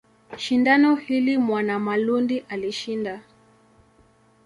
Shindano hili Mwanamalundi alishinda.